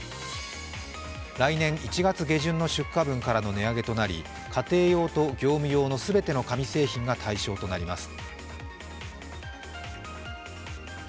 来年１月下旬の出荷分からの値上げとなり家庭用と業務用の全ての紙製品が対象となります。